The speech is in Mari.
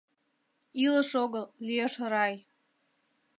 Илыш огыл, лиеш рай: